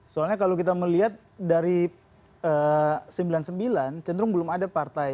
soalnya kalau kita melihat dari sembilan puluh sembilan cenderung belum ada partai